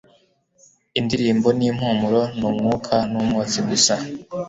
Indirimbo nimpumuro ni umwuka numwotsi gusa